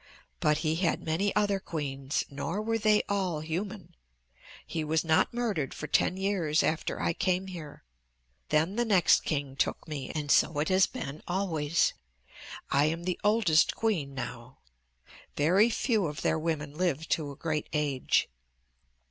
"But he had many other queens, nor were they all human. He was not murdered for ten years after I came here. Then the next king took me, and so it has been always. I am the oldest queen now. Very few of their women live to a great age.